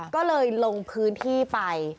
ก็เลยลงพื้นที่ไป